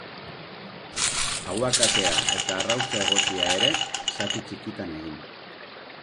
Ahuakatea eta arrautza egosia ere zati txikitan egin.